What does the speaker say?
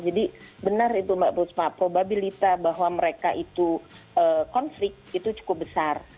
jadi benar itu mbak busma probabilita bahwa mereka itu konflik itu cukup besar